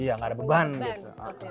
iya nggak ada beban gitu